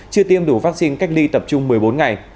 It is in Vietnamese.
chưa tiêm đủ vaccine cách ly tập trung một mươi bốn ngày